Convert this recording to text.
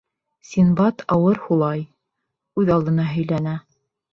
Синдбад ауыр һулай, үҙ алдына һөйләнә: